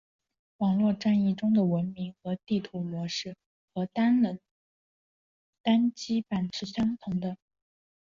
网络战役中的文明和地图模式和个人单机版是通用的。